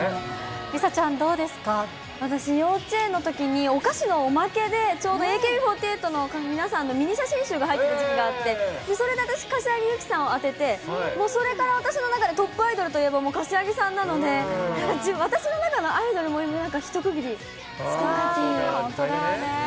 梨紗ちゃん、私、幼稚園のときにお菓子のおまけで、ちょうどＡＫＢ４８の皆さんのミニ写真集が入ってる時期があって、それで私、柏木由紀さんを当てて、それから私の中でトップアイドルといえば柏木さんなので、なんか、私の中のアイドルも、本当だね。